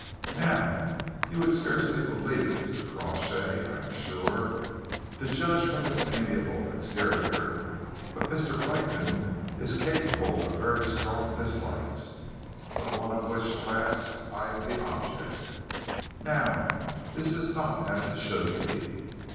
Now you would scarcely believe it, Mr. Crawshay, I am sure, to judge from his amiable exterior, but Mr. Brightman is capable of very strong dislikes, of one of which, alas! I am the object. Now this is not as it should be.